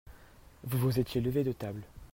Vous vous étiez levé de table.